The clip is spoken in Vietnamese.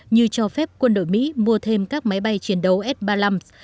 như cho phép quân đội mỹ mua thêm các máy bay chiến đấu s ba mươi năm